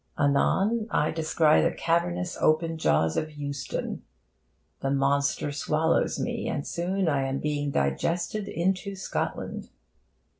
Anon, I descry the cavernous open jaws of Euston. The monster swallows me, and soon I am being digested into Scotland.